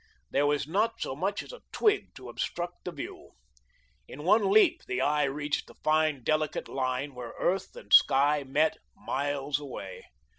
There was not so much as a twig to obstruct the view. In one leap the eye reached the fine, delicate line where earth and sky met, miles away.